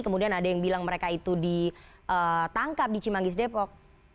kemudian ada yang bilang mereka itu ditangkap di cimanggis depok